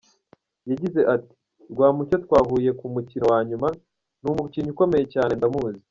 Yagize ati “Rwamucyo twahuye ku mukino wa nyuma, ni umukinnyi ukomeye cyane, ndamuzi.